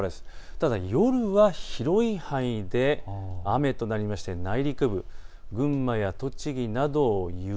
ただ夜は広い範囲で雨となりまして内陸部、群馬や栃木など雪。